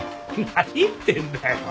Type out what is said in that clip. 何言ってんだよ。